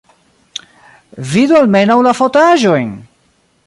Vidu almenaŭ la fotaĵojn!